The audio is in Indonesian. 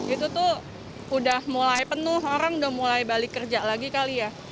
itu tuh udah mulai penuh orang udah mulai balik kerja lagi kali ya